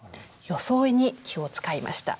装いに気を遣いました。